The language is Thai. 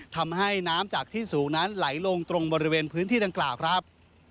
ทำให้น้ำจากที่สูงนั้นไหลลงตรงบริเวณพื้นที่ดังกล่าวครับ